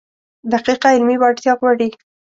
دقیقه علمي وړتیا غواړي.